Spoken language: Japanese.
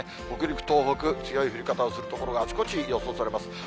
北陸、東北、強い降り方をする所があちこちに予想されます。